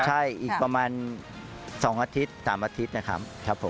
ใช่อีกประมาณ๒๓อาทิตย์นะครับผม